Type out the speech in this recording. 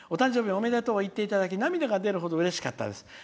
おめでとうを言っていただき涙が出るほどうれしかったです。